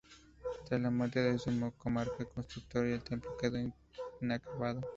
Tras la muerte de su monarca constructor, el templo quedó inacabado.